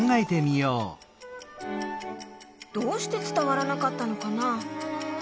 どうしてつたわらなかったのかな？